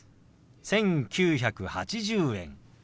「１９８０円」。